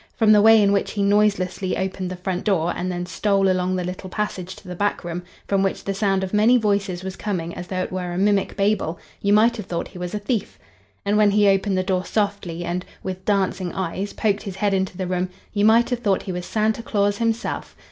From the way in which he noiselessly opened the front door and then stole along the little passage to the back room, from which the sound of many voices was coming as though it were a mimic Babel, you might have thought he was a thief. And when he opened the door softly and, with dancing eyes, poked his head into the room, you might have thought he was Santa Claus himself.